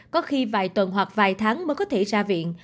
có khi vài tuần hoặc vài tháng mới có thể ra viện